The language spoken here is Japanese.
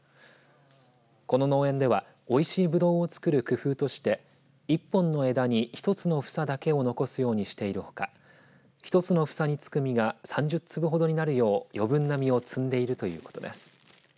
この農園ではおいしいブドウを作る工夫として１本の枝に１つの房だけを残すようにしているほか一つの房につく実が３０粒ほどになるよう余分な実を摘んでいるということです。